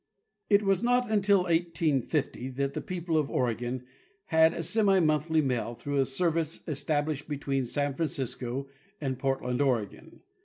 It was not until 1850 that the people of Oregon had a semi 'monthly mail, through a service established between San Fran cisco and Portland, Oregon.